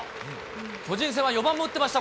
巨人戦は４番も打ってました